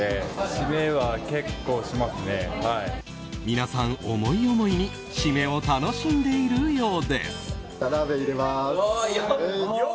皆さん、思い思いにシメを楽しんでいるようです。